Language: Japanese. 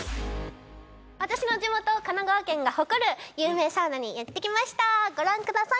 私の地元神奈川県が誇る有名サウナに行ってきましたご覧ください